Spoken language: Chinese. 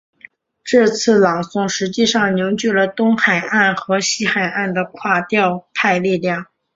这次朗诵实际上凝聚了东海岸和西海岸的垮掉派力量。